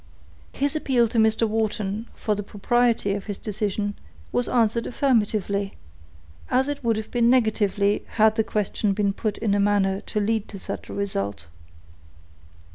His appeal to Mr. Wharton, for the propriety of this decision, was answered affirmatively, as it would have been negatively, had the question been put in a manner to lead to such a result.